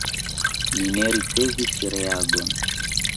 Mi ne ricevis reagon.